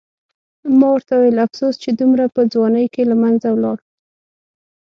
ما ورته وویل: افسوس چې دومره په ځوانۍ کې له منځه ولاړ.